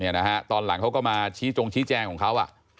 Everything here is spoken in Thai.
นะฮะตอนหลังเขาก็มาชี้จงชี้แจงของเขา